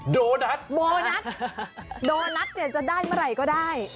โดนัทโดนัทจะได้เมื่อไหร่ก็ได้